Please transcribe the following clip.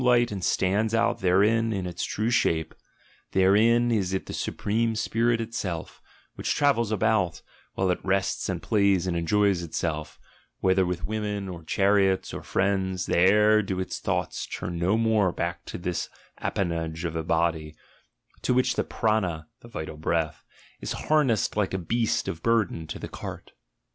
ght and stands out therein in its true shape: therein is it he supreme spirit itself, which travels about, while it ests and plays and enjoys itself, whether with women, or :hariots, or friends; there do its thoughts turn no more >ack to this appanage of a body, to which the 'prana' 'the vital breath) is harnessed like a beast of burden :o the cart."